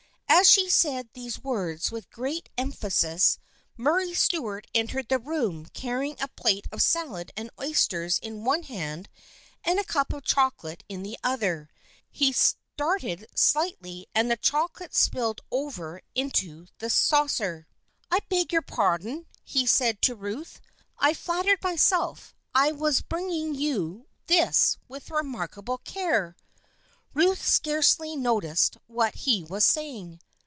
As she said these words with great emphasis, Murray Stuart entered the room, carrying a plate of salad and oysters in one hand and a cup of chocolate in the other. He started slightly and the chocolate spilled over into the saucer. 206 THE FRIENDSHIP OF ANNE " I beg your pardon," he said to Ruth, " I flat tered myself I was bringing you this with remark able care." Ruth scarcely noticed what he was saying.